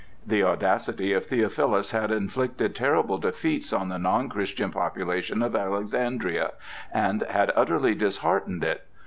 The audacity of Theophilus had inflicted terrible defeats on the non Christian population of Alexandria, and had utterly disheartened it.